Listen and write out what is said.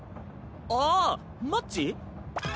ああ「マッチ」？